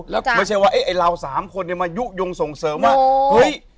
แล้วก็ไม่ใช่ว่าไอ้เราสามคนเนี่ยมายุโยงส่งเสริมว่าเฮ้ย